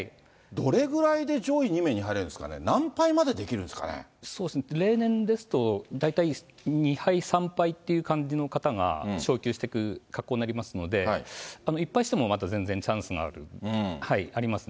どれぐらいで上位２名に入れるんですかね、何敗までできるん例年ですと、大体２敗３敗っていう感じの方が昇級していく格好になりますので、１敗してもぜんぜんチャンスがありますね。